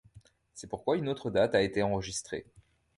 C'est pourquoi une autre date a été enregistrée.